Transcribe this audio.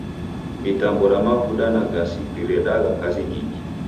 Mitambo ra mavuda na gasi riredagha kazi nyingi.